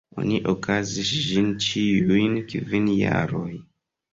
Oni okazigis ĝin ĉiujn kvin jaroj.